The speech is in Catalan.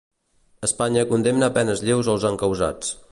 Espanya condemna a penes lleus als encausats